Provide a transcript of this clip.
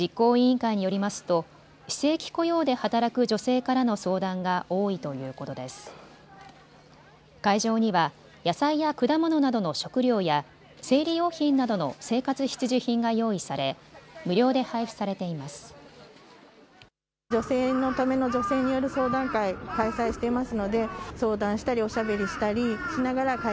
会場には野菜や果物などの食料や生理用品などの生活必需品が用意され無料で配布されています。